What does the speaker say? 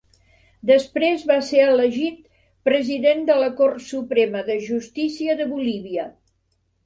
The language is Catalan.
Després va ser elegit president de la Cort Suprema de Justícia de Bolívia.